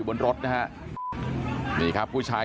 สวัสดีครับคุณผู้ชาย